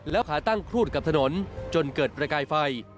แล้วขาตั้งครูดกับถนนจนเกิดประกายไฟ